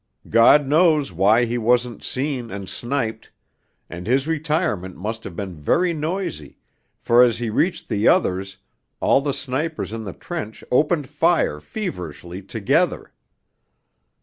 God knows why he wasn't seen and sniped; and his retirement must have been very noisy, for as he reached the others all the snipers in the trench opened fire feverishly together.